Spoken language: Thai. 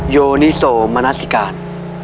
โยนิโสมนัสสิกาล